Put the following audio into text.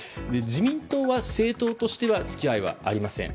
自民党は政党としては付き合いはありません。